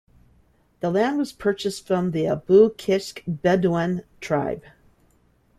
The land was purchased from the Abou Kishk Bedouin tribe.